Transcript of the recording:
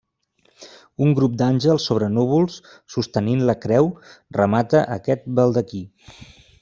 Un grup d'àngels sobre núvols sostenint la creu remata aquest baldaquí.